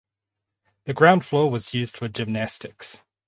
The ground floor was used for gymnastics.